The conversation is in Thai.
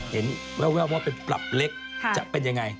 แววว่าเป็นปรับเล็กจะเป็นยังไง